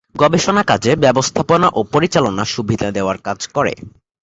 গবেষণা কাজে ব্যবস্থাপনা ও পরিচালনা সুবিধা দেওয়ার কাজ করে।